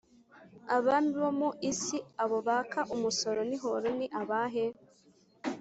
Abami bo mu isi abo baka umusoro n’ihoro ni abahe?